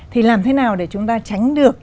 thì làm thế nào để chúng ta tránh được